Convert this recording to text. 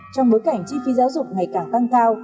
trong bối cảnh chi phí giáo dục ngày càng tăng cao